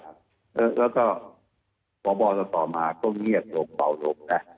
แล้วก็บ่อต่อมาก็เงียบโหลกโหลกนะ